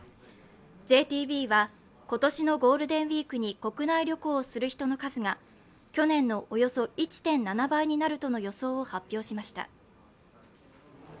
ＪＴＢは今年のゴールデンウイークに国内旅行をする人の数が去年のおよそ１．７倍になるとの予想を発表しました。